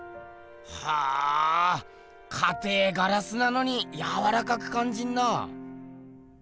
はぁかてぇガラスなのにやわらかくかんじるな。